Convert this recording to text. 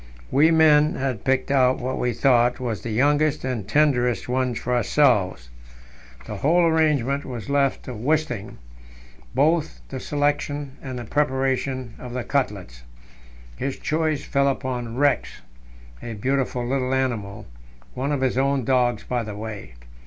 We men had picked out what we thought was the youngest and tenderest one for ourselves. The whole arrangement was left to Wisting, both the selection and the preparation of the cutlets. His choice fell upon Rex, a beautiful little animal one of his own dogs, by the way.